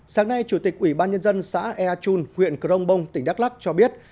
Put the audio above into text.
sáng nay chủ tịch ủy ban nhân dân xã ea chun huyện crong bông tỉnh đắk lắc cho biết